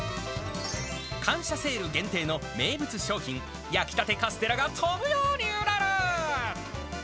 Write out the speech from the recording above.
感謝セール限定の名物商品、焼きたてカステラが飛ぶように売れる。